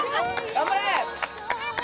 頑張れ！